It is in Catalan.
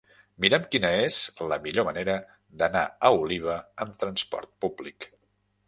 Mira'm quina és la millor manera d'anar a Oliva amb transport públic.